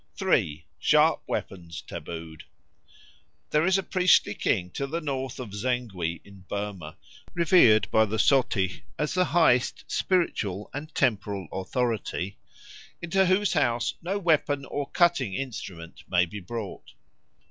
3. Sharp Weapons tabooed THERE is a priestly king to the north of Zengwih in Burma, revered by the Sotih as the highest spiritual and temporal authority, into whose house no weapon or cutting instrument may be brought.